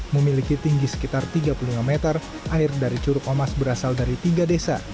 memiliki tinggi sekitar tiga puluh lima meter air dari curug omas berasal dari tiga desa